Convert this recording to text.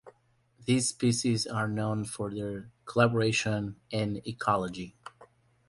These species are known for their coloration and ecology.